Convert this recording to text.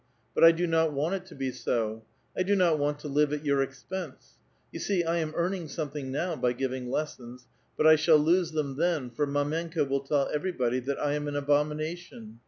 But I do not want it to be so ; I do not want to live at vour ex pense. You see I am earning something now by giving les sons ; but I shall lose them then, for mdmenka will tell every body that I am an abomination.